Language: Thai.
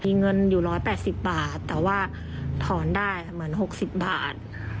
มีเงินอยู่๑๘๐บาทแต่ว่าถอนได้เหมือน๖๐บาท